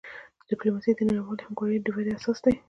ډیپلوماسي د نړیوالی همکاری د ودي اساس دی.